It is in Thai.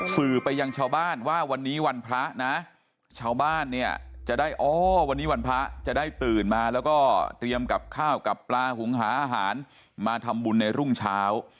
สื่อไปยังชาวบ้านว่าวันนี้วันพระนะชาวบ้านเนี่ยจะได้อ๋อวันนี้วันพระจะได้ตื่นมาแล้วก็เตรียมกับข้าวกับปลาหุงหาอาหารมาทำบุญในรุ่งเช้า